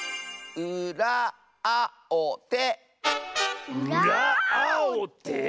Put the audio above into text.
うらあをて！